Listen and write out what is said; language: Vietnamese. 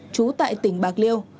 chú tại tỉnh bạc nhân